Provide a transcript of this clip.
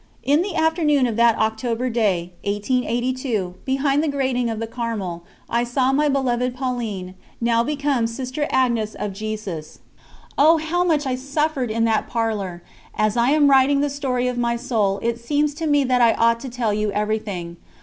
In the afternoon of that October day, 1882, behind the grating of the Carmel, I saw my beloved Pauline, now become Sister Agnes of Jesus. Oh, how much I suffered in that parlour! As I am writing the story of my soul, it seems to me that I ought to tell you everything.